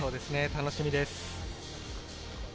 楽しみです。